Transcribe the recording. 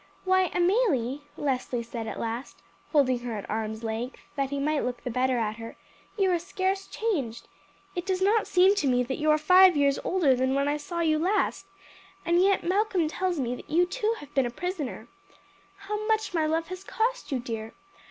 "Why, Amelie," Leslie said at last, holding her at arms' length that he might look the better at her, "you are scarce changed. It does not seem to me that you are five years older than when I saw you last, and yet Malcolm tells me that you too have been a prisoner. How much my love has cost you, dear!